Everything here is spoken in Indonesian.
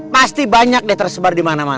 pasti banyak deh tersebar di mana mana